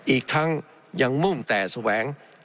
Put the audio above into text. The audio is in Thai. อีกทั้งยังมุ่งแต่แสวง